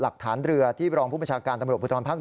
หลักฐานเรือที่รองผู้ประชาการตำรวจภูทรภาค๑